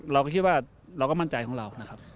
เราก็คิดว่าเราก็มั่นใจของเรานะครับ